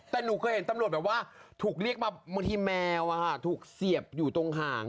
แต่หนูเคยเห็นตำรวจแบบว่าถูกเรียกมาบางทีแมวถูกเสียบอยู่ตรงหาง